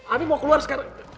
afif mau keluar sekarang